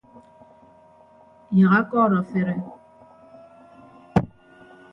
Yak akọọrọ afere.